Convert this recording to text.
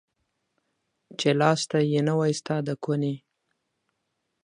چي لاستى يې نه واى ستا د کوني.